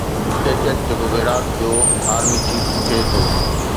ڪيچڪ جيڪو ويرات جو army chief ٿي ٿو